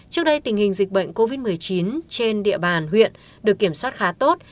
trước đây tình hình dịch bệnh covid một mươi chín trên địa bàn huyện được kiểm soát khá tốt